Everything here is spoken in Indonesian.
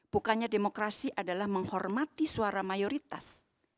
bukannya demokrasi adalah menghormati suara mayoritas